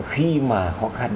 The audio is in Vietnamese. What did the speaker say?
khi mà khó khăn